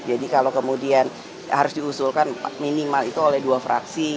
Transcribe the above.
jadi kalau kemudian harus diusulkan minimal itu oleh dua fraksi